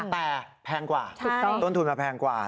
แต่แพงกว่า